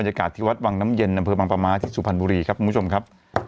ยากาศที่วัดวังน้ำเย็นอำเภอบังปะม้าที่สุพรรณบุรีครับคุณผู้ชมครับ